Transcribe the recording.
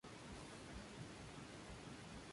Actor en Tushy y Vixen.